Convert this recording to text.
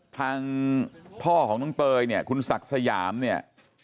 ทางพ่อของน้องเตยเนี่ยคุณศักดิ์สยามเนี่ย